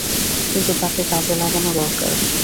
কিন্তু তাকে কাজে লাগান দরকার।